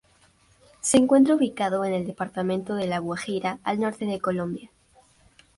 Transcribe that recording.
Se encuentra ubicado en el Departamento de La Guajira, al norte de Colombia.